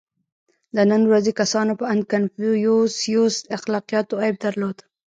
• د نن ورځې کسانو په اند کنفوسیوس اخلاقیاتو عیب درلود.